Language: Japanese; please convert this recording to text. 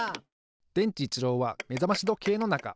でんちいちろうはめざましどけいのなか。